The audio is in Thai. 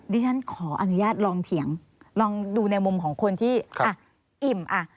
ดิฉันขออนุญาตลองเถียงลองดูในมุมของคนที่อ่ะอิ่มอ่ะ